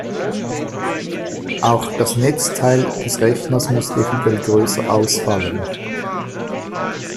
Auch das Netzteil des Rechners muss eventuell größer ausfallen.